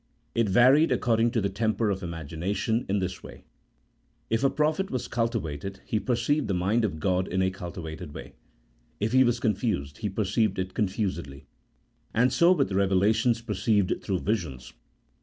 It varied according to the temper of imagination in this way: if a prophet was cultivated he perceived the mind of God in a cultivated way, if he was confused he perceived it con fusedly. And so with revelations perceived through visions.